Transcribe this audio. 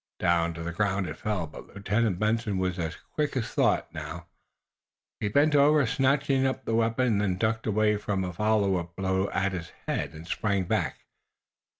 Down to the ground it fell, but Lieutenant Benson was as quick as thought, now. He bent over, snatching up the weapon, then ducked away from a follow up blow at his own head, and sprang back.